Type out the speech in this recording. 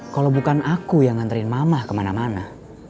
kalau bukan aku yang nganterin mamah kemana mana